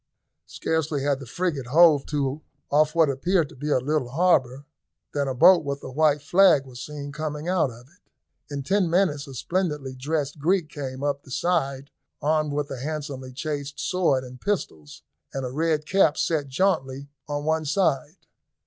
Scarcely had the frigate hove to off what appeared to be a little harbour, than a boat with a white flag was seen coming out of it. In ten minutes a splendidly dressed Greek came up the side armed with a handsomely chased sword and pistols, and a red cap set jauntily on one side.